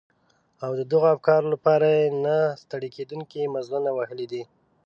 او د دغو افکارو لپاره يې نه ستړي کېدونکي مزلونه وهلي دي.